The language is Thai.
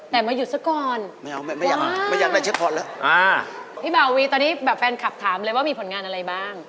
แต่มาหยุดซะก่อนว้าวพี่เบาวีตอนนี้แบบแฟนคลับถามเลยว่ามีผลงานอะไรบ้าง